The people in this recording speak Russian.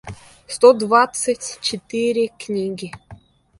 сто двадцать четыре книги